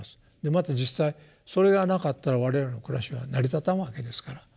また実際それがなかったら我々の暮らしは成り立たんわけですから。